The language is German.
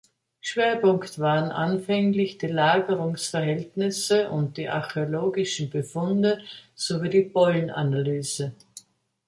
Schwerpunkte waren anfänglich die Lagerungsverhältnisse und die archäologischen Befunde sowie die Pollenanalyse.